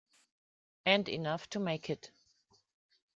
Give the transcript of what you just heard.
And enough to make it.